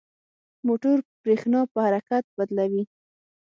موټور برېښنا په حرکت بدلوي.